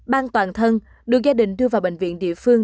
bang toàn thân đưa gia đình đưa vào bệnh viện địa phương